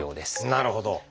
なるほど！